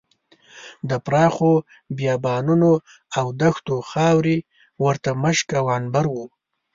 د پراخو بیابانونو او دښتونو خاورې ورته مشک او عنبر وو.